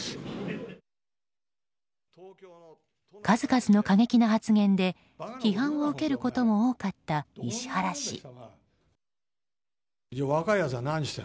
数々の過激な発言で、批判を受けることも多かった石原氏。